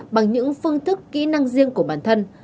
bằng những phương thức kỹ năng riêng của bản thân